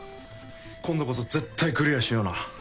今度こそ絶対クリアしような。